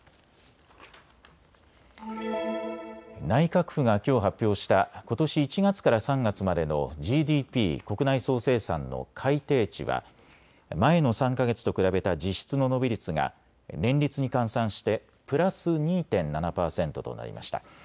内閣府がきょう発表したことし１月から３月までのＧＤＰ・国内総生産の改定値は前の３か月と比べた実質の伸び率が年率に換算してプラス２．７％となりました。